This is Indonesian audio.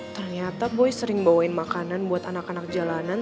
ternyata boy sering bawain makanan buat anak anak jalanan